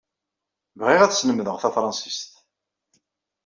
Bɣiɣ ad slemdeɣ tafransist.